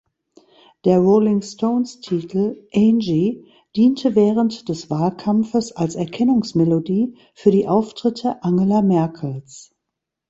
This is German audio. Der Rolling-Stones-Titel "Angie" diente während des Wahlkampfes als Erkennungsmelodie für die Auftritte Angela Merkels.